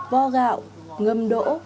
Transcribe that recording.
vo gạo ngâm đỗ